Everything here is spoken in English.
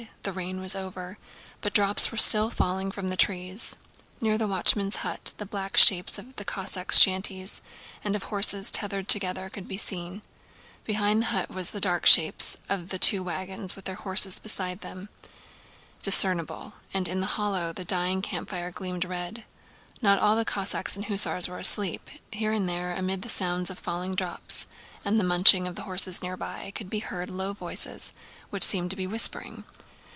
The rain was over, but drops were still falling from the trees. Near the watchman's hut the black shapes of the Cossacks' shanties and of horses tethered together could be seen. Behind the hut the dark shapes of the two wagons with their horses beside them were discernible, and in the hollow the dying campfire gleamed red. Not all the Cossacks and hussars were asleep; here and there, amid the sounds of falling drops and the munching of the horses near by, could be heard low voices which seemed to be whispering.